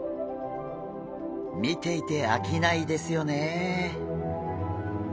見ていてあきないですよねえ。